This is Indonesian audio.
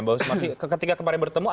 mbak sumarsi ketika kemarin bertemu